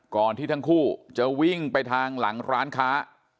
ที่ทั้งคู่จะวิ่งไปทางหลังร้านค้า